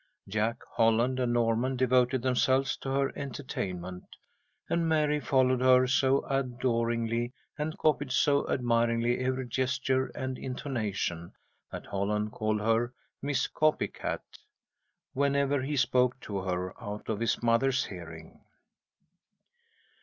Jack, Holland, and Norman devoted themselves to her entertainment, and Mary followed her so adoringly, and copied so admiringly every gesture and intonation, that Holland called her "Miss Copy cat" whenever he spoke to her out of his mother's hearing.